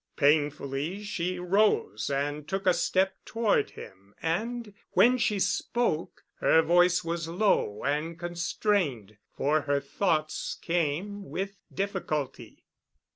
Painfully she rose and took a step toward him, and, when she spoke, her voice was low and constrained, for her thoughts came with difficulty.